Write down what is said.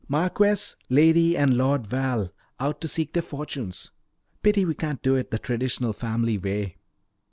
"Marquess, Lady, and Lord Val, out to seek their fortunes. Pity we can't do it in the traditional family way."